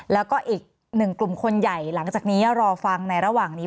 แล้วก็อีกหนึ่งกลุ่มคนใหญ่หลังจากนี้รอฟังในระหว่างนี้